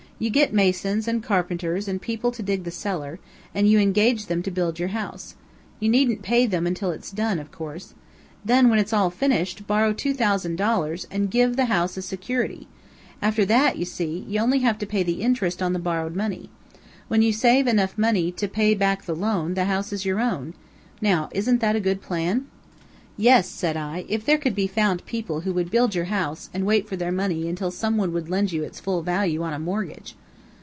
You get masons, and carpenters, and people to dig the cellar, and you engage them to build your house. You needn't pay them until it's done, of course. Then when it's all finished, borrow two thousand dollars and give the house as security. After that you see, you have only to pay the interest on the borrowed money. When you save enough money to pay back the loan, the house is your own. Now, isn't that a good plan?" "Yes," said I, "if there could be found people who would build your house and wait for their money until some one would lend you its full value on a mortgage."